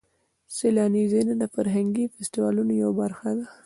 سیلاني ځایونه د فرهنګي فستیوالونو یوه برخه ده.